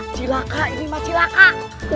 silahkan ini mah silahkan